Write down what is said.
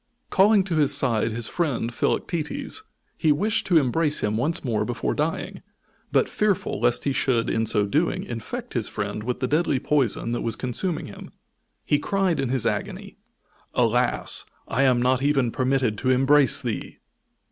Calling to his side his friend Philoctetes, he wished to embrace him once more before dying; but fearful lest he should, in so doing, infect his friend with the deadly poison that was consuming him, he cried in his agony: "Alas, I am not even permitted to embrace thee!"